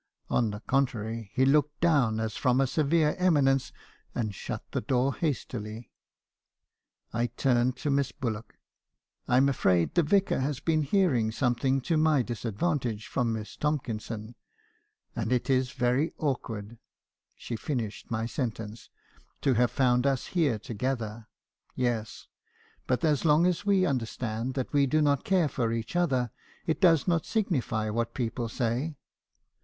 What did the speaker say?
On the contrary, he looked down as from a severe eminence , and shut the door hastily. I turned.to Miss Bullock. " 'I am afraid the Vicar has been hearing something to my disadvantage from Miss Tomkinson , and it is very awkward —' She finished my sentence, 'To have found us here together. Yes, but as long as we understand that we do not care for each other, it does not signify what people say.'